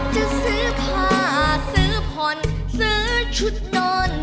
จะซื้อผ้าซื้อผ่อนซื้อชุดนอน